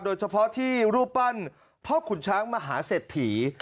โดยเฉพาะที่รูปปั้นพ่อขุนช้างมหาเศรษฐี